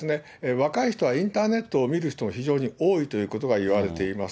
若い人はインターネットを見る人も非常に多いということがいわれています。